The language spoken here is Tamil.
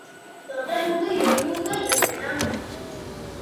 தொடர்ந்து எழுத எண்ணம்.